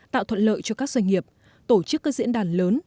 tạo thuận lợi cho các doanh nghiệp tổ chức các diễn đàn lớn